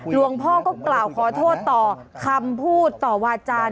หลวงพ่อก็กล่าวขอโทษต่อคำพูดต่อวาจารย์